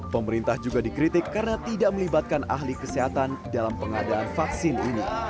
pemerintah juga dikritik karena tidak melibatkan ahli kesehatan dalam pengadaan vaksin ini